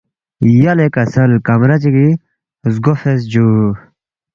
“ یلے کسل کمرہ چِگی زگو فیس جُو